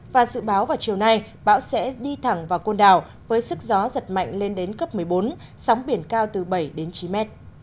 và dự báo vào chiều nay bão sẽ đi thẳng vào côn đảo với sức gió giật mạnh lên đến cấp một mươi bốn sóng biển cao từ bảy đến chín mét